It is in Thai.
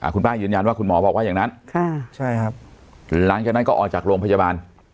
คุณป้ายืนยันว่าคุณหมอบอกว่าอย่างนั้นหลังจากนั้นก็ออกจากโรงพยาบาล